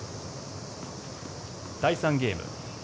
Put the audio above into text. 第３ゲーム。